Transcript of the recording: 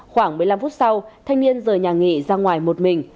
khoảng một mươi năm phút sau thanh niên rời nhà nghị ra ngoài một mình